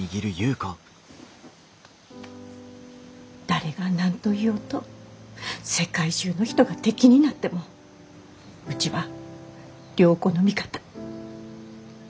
誰が何と言おうと世界中の人が敵になってもうちは良子の味方。